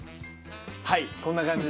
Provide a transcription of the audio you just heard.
はいこんな感じで。